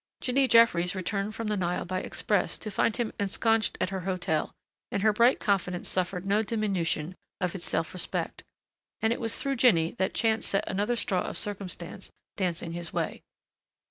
Jinny Jeffries returned from the Nile by express to find him ensconced at her hotel, and her bright confidence suffered no diminution of its self respect. And it was through Jinny that chance set another straw of circumstance dancing his way.